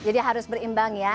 jadi harus berimbang ya